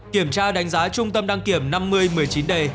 kiểm tra đánh giá trung tâm đăng kiểm năm mươi một mươi chín d